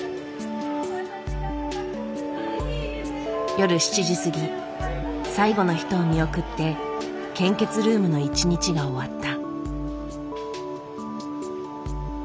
夜７時過ぎ最後の人を見送って献血ルームの一日が終わった。